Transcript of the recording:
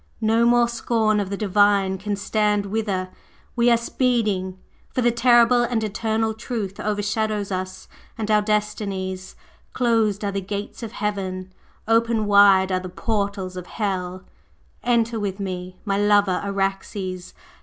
No more scorn of the Divine can stand whither we are speeding, for the Terrible and Eternal Truth overshadows us and our destinies! Closed are the gates of Heaven, open wide are the portals of Hell! Enter with me, my lover Araxes!